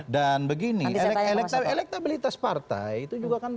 dan begini elektabilitas partai itu juga kan